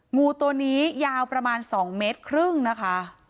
งูตัวนี้ยาวประมาณ๒เมตรครึ่งนะคะ